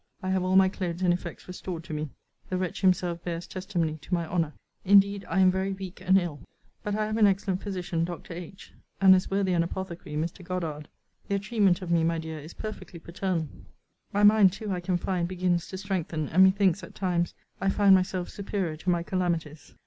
I have all my clothes and effects restored to me. The wretch himself bears testimony to my honour. Indeed I am very weak and ill: but I have an excellent physician, Dr. H. and as worthy an apothecary, Mr. Goddard. Their treatment of me, my dear, is perfectly paternal! My mind too, I can find, begins to strengthen: and methinks, at times, I find myself superior to my calamities.